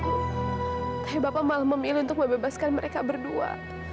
tapi bapak malah memilih untuk membebaskan mereka berdua